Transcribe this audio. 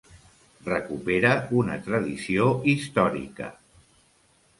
Recupera una tradició històrica.